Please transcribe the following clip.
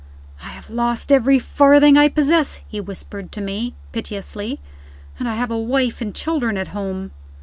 "I have lost every farthing I possess," he whispered to me, piteously, "and I have a wife and children at home."